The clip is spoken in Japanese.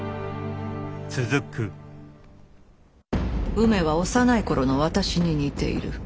梅は幼い頃の私に似ている。